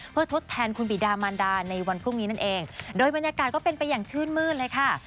เพื่อทดแทนคุณบิดามันดาในวันพรุ่งนี้นั่นเองโดยบรรยากาศก็เป็นไปอย่างชื่นมืดเลยค่ะ